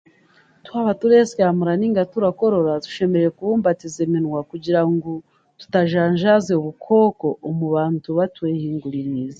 Twaba tureesyamura nainga turakorora tushemereire kubumbatiza eminywa kugira ngu tutajanjaaza obukooko omu bantu batwehinguririize